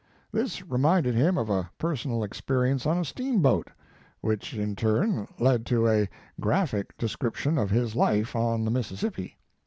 This reminded him of a personal experience on a steamboat, which in turn led to a graphic description of his life on the Mississippi.